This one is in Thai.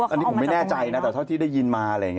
อันนี้ผมไม่แน่ใจนะแต่เท่าที่ได้ยินมา